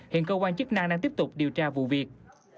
hiện cơ quan chức năng đang tiếp tục điều tra vụ việc